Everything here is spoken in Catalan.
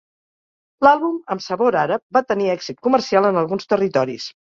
L'àlbum amb sabor àrab va tenir èxit comercial en alguns territoris.